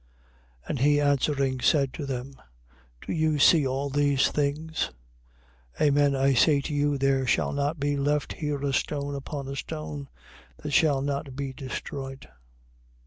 24:2. And he answering, said to them: Do you see all these things? Amen I say to you, there shall not be left here a stone upon a stone that shall not be destroyed.